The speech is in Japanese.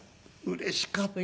うれしかった。